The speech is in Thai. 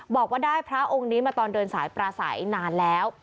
บอกว่าได้พระองค์นี้มาตอนเดินสายปราศัยนานแล้ว